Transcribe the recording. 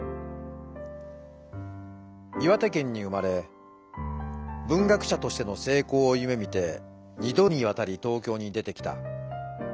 岩手県に生まれ文学者としてのせいこうをゆめみて二度にわたり東京に出てきた。